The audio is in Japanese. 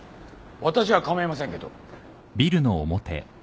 私は構いませんけど。